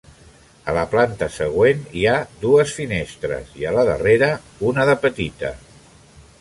A la planta següent hi ha dues finestres, i a la darrera una de petita.